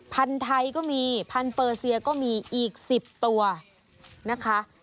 พันธุ์ไทยก็มีพันธเปอร์เซียก็มีอีก๑๐ตัวนะคะ